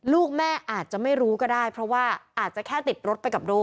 ลูกแม่อาจจะไม่รู้ก็ได้เพราะว่าอาจจะแค่ติดรถไปกับโด